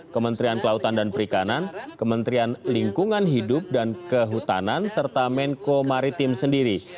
kementerian kelautan dan perikanan kementerian lingkungan hidup dan kehutanan serta menko maritim sendiri